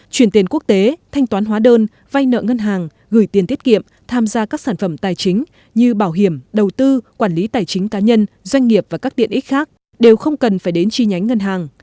chuyển tiền quốc tế thanh toán hóa đơn vay nợ ngân hàng gửi tiền tiết kiệm tham gia các sản phẩm tài chính như bảo hiểm đầu tư quản lý tài chính cá nhân doanh nghiệp và các tiện ích khác đều không cần phải đến chi nhánh ngân hàng